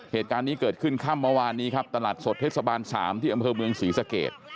เหตุการณ์นี้เกิดขึ้นค่ำเมื่อวานนี้ครับตลาดสดเทศบาล๓ที่อำเภอเมืองศรีสเกต